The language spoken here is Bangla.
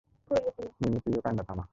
মিমি, তুইও কান্না থামা।